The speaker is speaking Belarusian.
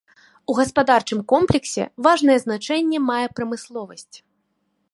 У гаспадарчым комплексе важнае значэнне мае прамысловасць.